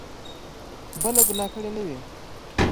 بله ګناه کړې نه وي.